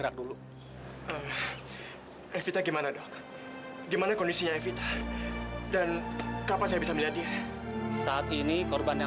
sampai jumpa di video selanjutnya